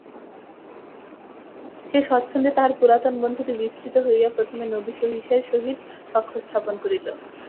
সে স্বচ্ছন্দে তাহার পুরাতন বন্ধুকে বিস্মৃত হইয়া প্রথমে নবী সহিসের সহিত সখ্য স্থাপন করিল।